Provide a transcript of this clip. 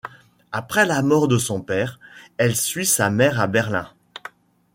Après la mort de son père, elle suit sa mère à Berlin.